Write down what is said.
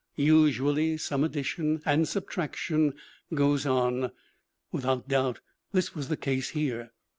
Usually some addition and subtraction goes on. Without doubt this was the case here.